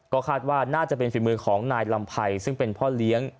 ก็คาดว่าน่าจะเป็นฝีมือของนายลำไพรซึ่งเป็นพ่อเลี้ยง